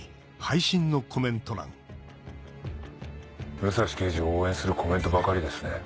武蔵刑事を応援するコメントばかりですね。